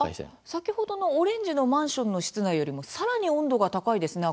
先ほどのオレンジのマンションの室内よりもさらに温度が高いですね